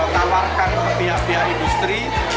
tawarkan ke pihak pihak industri